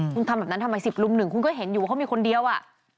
คุณทำแบบนั้นทำไม๑๐ลุม๑คุณก็เห็นอยู่ว่าเขามีคนเดียวอ่ะ